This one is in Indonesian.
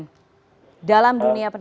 itu kembali ke dalam kisah yang saya lakukan